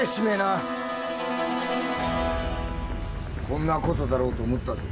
こんな事だろうと思ったぜ。